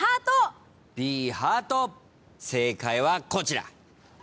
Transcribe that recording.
正解はこちら。